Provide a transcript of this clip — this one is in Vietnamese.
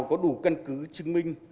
có đủ căn cứ chứng minh